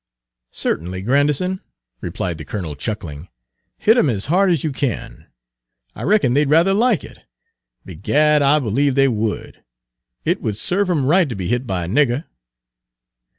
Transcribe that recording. "Certainly, Grandison," replied the colonel, chuckling, "hit 'em as hard as you can. I Page 181 reckon they 'd rather like it. Begad, I believe they would! It would serve 'em right to be hit by a nigger!"